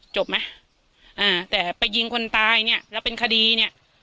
จบไหมอ่าแต่ไปยิงคนตายเนี้ยแล้วเป็นคดีเนี้ย